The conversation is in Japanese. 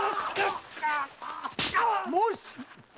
もし！